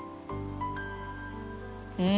うん！